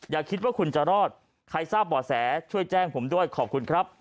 อย่าคิดว่าคุณจะรอดใครทราบบ่อแสช่วยแจ้งผมด้วยขอบคุณครับ